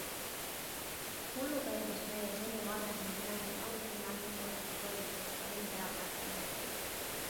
Mullu pälvis mees enim arenenud mängija auhinna ning osutus valituks ka NBA tähtede mängule.